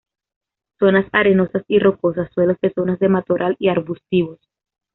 Zonas arenosas y rocosas, suelos de zonas de matorral y arbustivos.